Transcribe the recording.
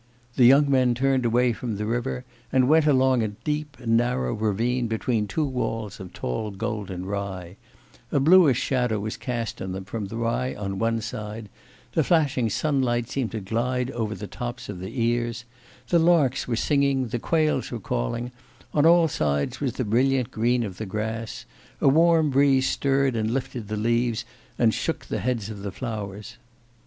The young men turned away from the river and went along a deep and narrow ravine between two walls of tall golden rye; a bluish shadow was cast on them from the rye on one side; the flashing sunlight seemed to glide over the tops of the ears; the larks were singing, the quails were calling: on all sides was the brilliant green of the grass; a warm breeze stirred and lifted the leaves and shook the heads of the flowers.